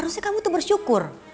harusnya kamu tuh bersyukur